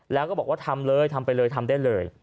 แล้วก็บอกว่าทำเลยทำไปเลยทำได้เลย